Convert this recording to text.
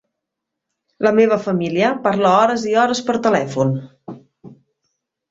La meva família parla hores i hores per telèfon.